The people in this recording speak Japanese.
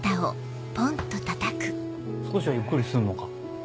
少しはゆっくりすんのか？